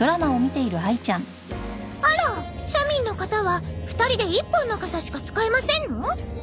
あら庶民の方は２人で一本の傘しか使えませんの？